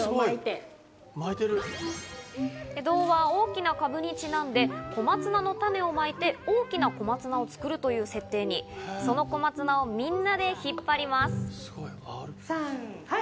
童話、『おおきなかぶ』にちなんで小松菜の種をまいて大きな小松菜を作るという設定に、その小松菜をみんなで引っ張ります。